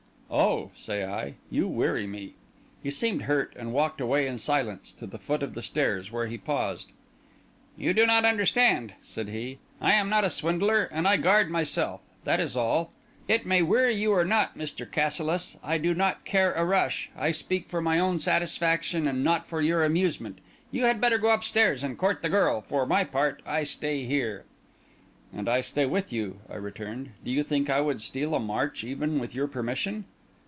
"Oh," said I, "you weary me!" He seemed hurt, and walked away in silence to the foot of the stairs, where he paused. "You do not understand," said he. "I am not a swindler, and I guard myself; that is all. It may weary you or not, Mr. Cassilis, I do not care a rush; I speak for my own satisfaction, and not for your amusement. You had better go upstairs and court the girl; for my part, I stay here." "And I stay with you," I returned. "Do you think I would steal a march, even with your permission?"